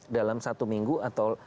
dalam satu minggu atau